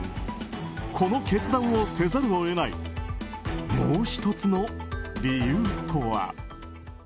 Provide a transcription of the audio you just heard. この決断をせざるを得ないもう１つの理由とは。